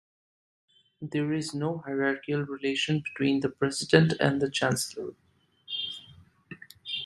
There is no hierarchical relation between the president and the chancellor.